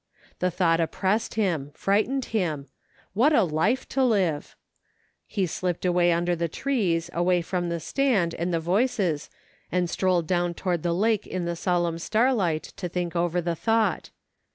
The thought oppressed him ; frightened him ; what a life to live ! He slipped away under the trees, away from the stand, and the voices, and strolled down toward the lake in the solemn star light to think over the thought.